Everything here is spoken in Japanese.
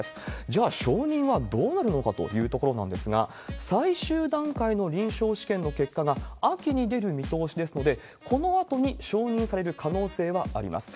じゃあ、承認はどうなるのかというところなんですが、最終段階の臨床試験の結果が秋に出る見通しですので、このあとに承認される可能性はあります。